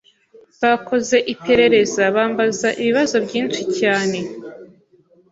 bakoze iperereza bambaza ibibazo byinshi cyane